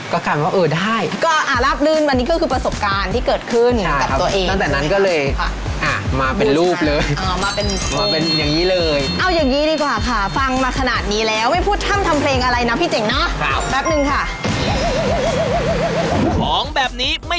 ก็การว่าเออได้ก็ลาบลื่นไปบนี้ก็คือประสบการณ์